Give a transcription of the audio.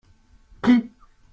Qui ?